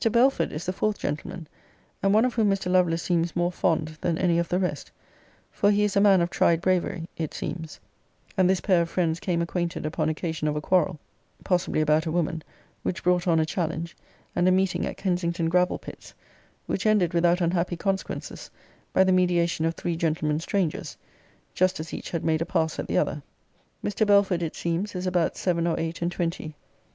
BELFORD is the fourth gentleman, and one of whom Mr. Lovelace seems more fond than any of the rest; for he is a man of tried bravery, it seems; and this pair of friends came acquainted upon occasion of a quarrel, (possibly about a woman,) which brought on a challenge, and a meeting at Kensington Gravel pits; which ended without unhappy consequences, by the mediation of three gentlemen strangers, just as each had made a pass at the other. Mr. Belford, it seems, is about seven or eight and twenty.